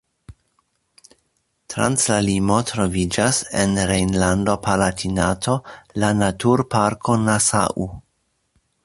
Trans la limo troviĝas en Rejnlando-Palatinato la Naturparko Nassau.